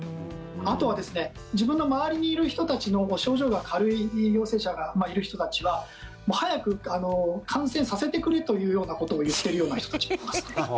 あとは自分の周りにいる人たちの症状が軽い陽性者がいる人たちは早く感染させてくれというようなことを言っているような人たちもいます。